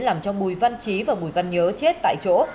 làm cho bùi văn trí và bùi văn nhớ chết tại chỗ